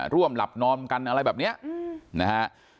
ร่วมหลับนอนกันอะไรแบบนี้นะฮะ